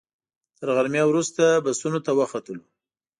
تر غرمې وروسته بسونو ته وختلو.